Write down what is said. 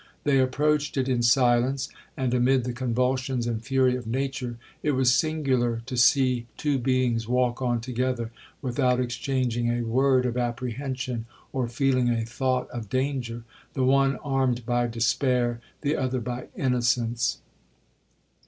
They approached it in silence; and, amid the convulsions and fury of nature, it was singular to see two beings walk on together without exchanging a word of apprehension, or feeling a thought of danger,—the one armed by despair, the other by innocence.